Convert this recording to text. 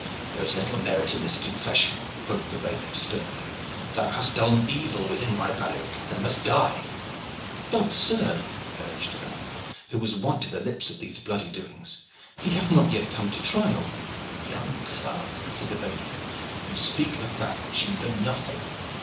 "There is little merit in this confession," quoth the bailiff sternly. "Thou hast done evil within my bailiwick, and must die." "But, sir," urged Alleyne, who was white to the lips at these bloody doings, "he hath not yet come to trial." "Young clerk," said the bailiff, "you speak of that of which you know nothing.